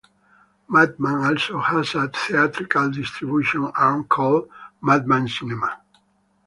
Madman also has a theatrical distribution arm called Madman Cinema.